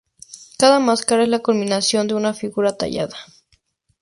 Cada máscara es la culminación de una figura tallada.